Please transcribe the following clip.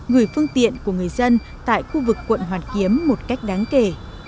gửi phương tiện của người dân tại khu vực quận hoàn kiếm một cách đáng kể